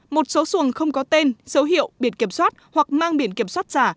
một số xuồng không có tên số hiệu biển kiểm soát hoặc mang biển kiểm soát giả